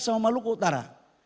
sama maluku utara